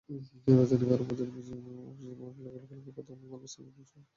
রাজধানীর কারওয়ান বাজারের বিজিএমইএ ভবনের অ্যাপারেল ক্লাবে গতকাল মঙ্গলবার সেমিনারটি অনুষ্ঠিত হয়।